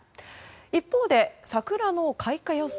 一方で桜の開花予想